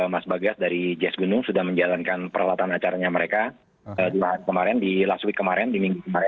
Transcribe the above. mas bagas dari jazz gunung sudah menjalankan peralatan acaranya mereka kemarin di laswi kemarin di minggu kemarin